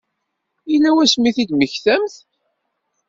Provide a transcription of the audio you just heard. Yella wasmi i t-id-temmektamt?